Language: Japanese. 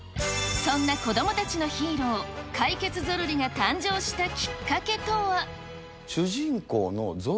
そんな子どもたちのヒーロー、かいけつゾロリが誕生したきっかけとは。